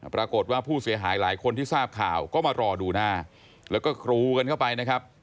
ปรากฏว่าผู้เสียหายหลายคนที่ทราบข่าวก็มารอดูหน้าแล้วก็กรูกันเข้าไปนะครับ